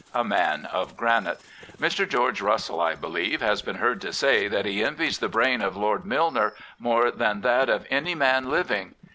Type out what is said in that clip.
A man of granite./ Mr. George Russell, I believe, has been heard to say that he envies the brain of Lord Milner more than that of any man living.